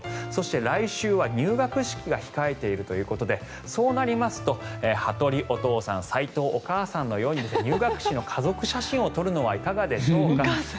そして来週は入学式が控えているということでそうなりますと羽鳥お父さん斎藤お母さんのように入学式の家族写真を撮るのはいかがでしょうか。